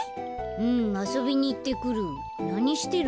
うんあそびにいってくる。